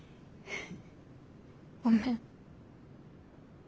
ごめん。